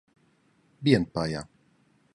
Bien pia.